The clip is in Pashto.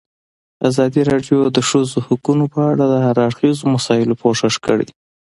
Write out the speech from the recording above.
ازادي راډیو د د ښځو حقونه په اړه د هر اړخیزو مسایلو پوښښ کړی.